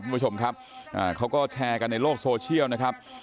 คุณผู้ชมครับเขาก็แชร์กันในโลกโซเชียลนะครับ